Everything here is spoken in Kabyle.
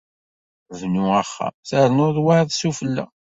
Bnu axxam, ternuḍ wayeḍ sufella.